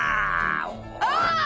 ああ。